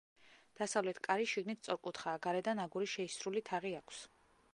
დასავლეთ კარი შიგნით სწორკუთხაა, გარედან აგურის შეისრული თაღი აქვს.